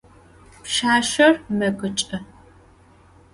Pşsaşser megıç'e.